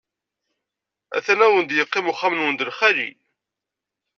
A-t-an, ad wen-d-iqqim uxxam-nwen d lxali.